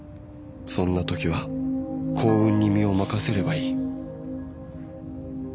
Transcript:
［そんなときは幸運に身を任せればいい］